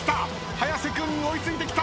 早瀬君に追い付いてきた。